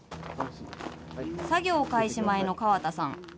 作業開始前の河田さん。